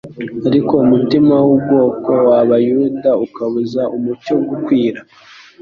Ariko umutima w'ubwoko w'Abayuda ukabuza umucyo gukwira.